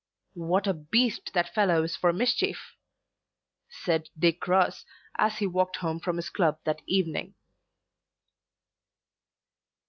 "What a beast that fellow is for mischief!" said Dick Ross as he walked home from his club that evening.